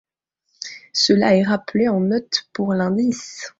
Cela est rappelé en note pour l'indice.